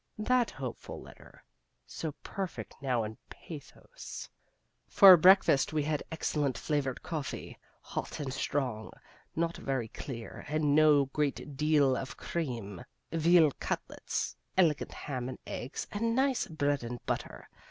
That hopeful letter, so perfect now in pathos For breakfast we had excellent flavored coffee, hot and strong not very clear and no great deal of cream veal cutlets, elegant ham and eggs and nice bread and butter.